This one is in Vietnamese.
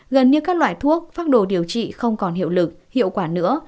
gần như các loại thuốc phác đồ điều trị không còn hiệu lực hiệu quả nữa